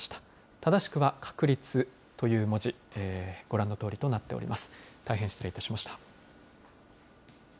正しくは確率という文字、ご覧のとおりとなっております。